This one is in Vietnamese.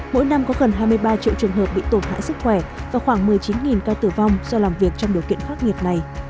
mỗi năm có gần hai mươi ba triệu trường hợp bị tổn hại sức khỏe và khoảng một mươi chín ca tử vong do làm việc trong điều kiện khắc nghiệt này